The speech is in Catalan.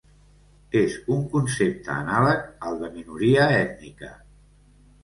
És un concepte anàleg al de minoria ètnica.